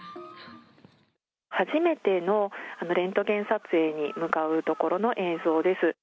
初めてのレントゲン撮影に向かうところの映像です。